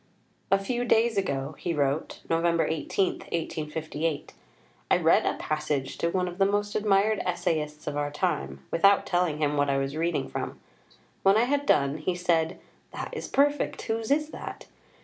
"A few days ago," he wrote (Nov. 18, 1858), "I read a passage to one of the most admired essayists of our time without telling him what I was reading from. When I had done he said, 'That is perfect, whose is that?'